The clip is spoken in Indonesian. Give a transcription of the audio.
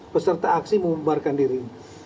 peserta aksi membubarkan diri